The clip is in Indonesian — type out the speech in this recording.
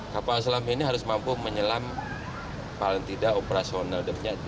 kapal selam ini harus mampu menyelam paling tidak operasional